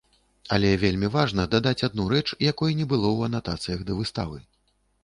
Але вельмі важна дадаць адну рэч, якой не было ў анатацыях да выставы.